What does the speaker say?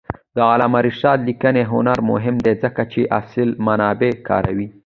د علامه رشاد لیکنی هنر مهم دی ځکه چې اصلي منابع کاروي.